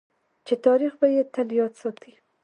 چې تاریخ به یې تل یاد ساتي.